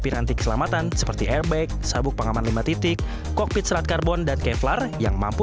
piranti keselamatan seperti airbag sabuk pengaman lima titik kokpit serat karbon dan kevlar yang mampu